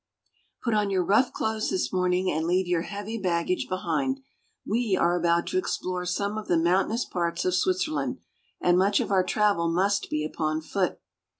PUT on your rough clothes this morning, and leave your heavy baggage behind. We are about to ex plore some of the mountainous parts of Switzerland, and much of our travel must be upon foot.